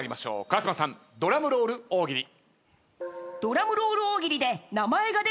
川島さんドラムロール大喜利。